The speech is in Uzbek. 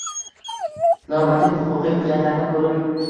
normativ-huquqiy hujjatlarni ko‘rib